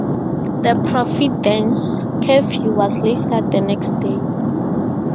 The Providence curfew was lifted the next day.